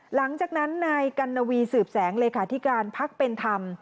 หลังจากนั้นนายกัณวีสืบแสงเลขาธิการพักเป็นธรรม